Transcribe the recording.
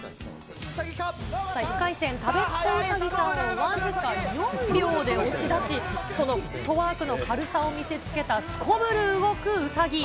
さあ、１回戦、たべっ子うさぎさんを僅か４秒で押し出し、そのフットワークの軽さを見せつけたすこぶる動くウサギ。